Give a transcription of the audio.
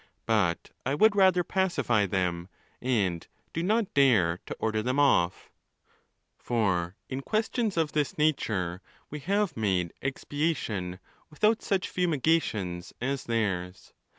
But I would rather pacify them, and dp not dare to order them off.' XIV. For in questions of this nature, we uns po ex piation without such fumigations as theirs.